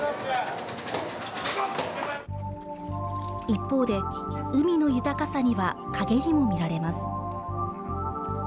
一方で、海の豊かさには陰りも見られます。